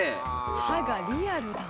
歯がリアルだな。